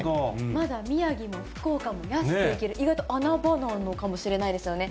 まだ宮城も福岡も安く行ける、意外と穴場なのかもしれないですよね。